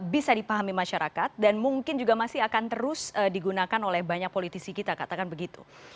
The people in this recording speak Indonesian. bisa dipahami masyarakat dan mungkin juga masih akan terus digunakan oleh banyak politisi kita katakan begitu